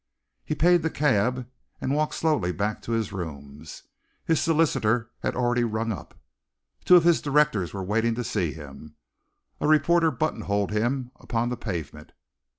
He paid the cab and walked slowly back to his rooms. His solicitor had already rung up. Two of his directors were waiting to see him, a reporter buttonholed him upon the pavement.